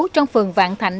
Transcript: trong phường vạn thạnh